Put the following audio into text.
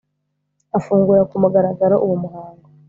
Afungura ku mugaragaro uwo muhango